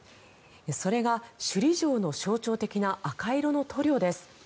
それが首里城の象徴的な赤色の塗料です。